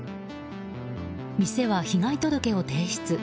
店は、被害届を提出。